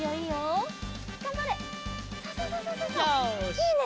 いいね！